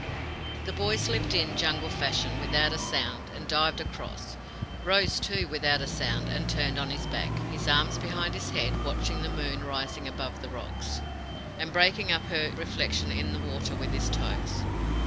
The boy slipped in, Jungle fashion, without a sound, and dived across; rose, too, without a sound, and turned on his back, his arms behind his head, watching the moon rising above the rocks, and breaking up her reflection in the water with his toes.